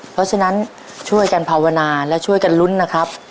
เพราะฉะนั้นช่วยกันภาวนาและช่วยกันลุ้นนะครับ